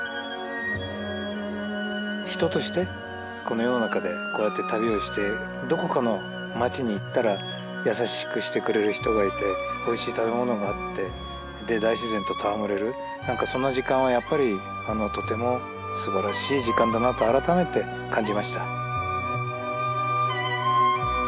人としてこの世の中でこうやって旅をしてどこかの街に行ったら優しくしてくれる人がいておいしい食べ物があってで大自然と戯れる何かその時間はやっぱりとても素晴らしい時間だなとあらためて感じました。